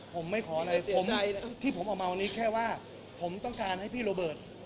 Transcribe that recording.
ผมไม่ขออะไรผมที่ผมออกมาวันนี้แค่ว่าผมต้องการให้พี่โรเบิร์ต